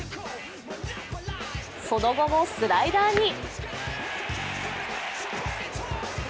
その後もスライダーに。